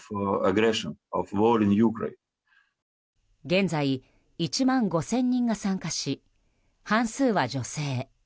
現在、１万５０００人が参加し半数は女性。